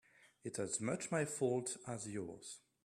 It's as much my fault as yours.